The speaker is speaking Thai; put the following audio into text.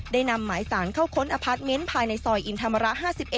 นำหมายสารเข้าค้นอพาร์ทเมนต์ภายในซอยอินธรรมระ๕๑